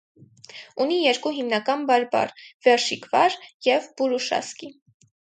Ունի երկու հիմնական բարբառ՝ վերշիկվար և բուրուշասկի։